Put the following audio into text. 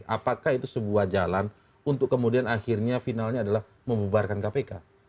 apakah itu sebuah jalan untuk kemudian akhirnya finalnya adalah membubarkan kpk